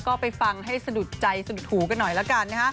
ก็ไปฟังให้สะดุดใจสะดุดหูกันหน่อยละกันนะฮะ